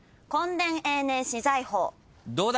どうだ。